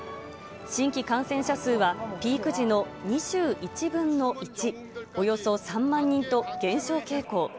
新規感染者数はピーク時の２１分の１、およそ３万人と、減少傾向。